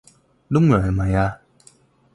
Đúng rồi mày à